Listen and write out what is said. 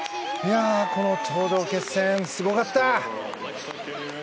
頂上決戦すごかった。